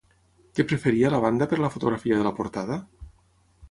Què preferia la banda per a la fotografia de la portada?